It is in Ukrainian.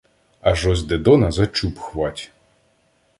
Аж ось Дидона за чуб хвать.